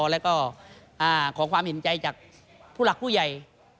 แล้วก็ขอความเห็นใจจากผู้หลักผู้ใหญ่